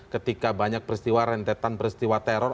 ketika banyak peristiwa rentetan peristiwa teror